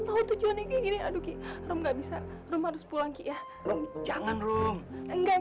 tahu tujuannya kiri kiri aduh rom gak bisa rumah pulang ya jangan rum enggak